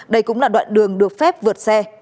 đây cũng là đoạn đường được phép vượt xe